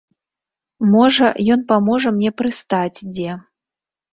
Можа, ён паможа мне прыстаць дзе.